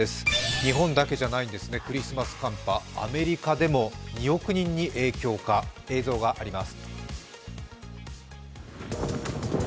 日本だけじゃないんですね、クリスマス寒波、アメリカでも２億人に影響か、映像があります。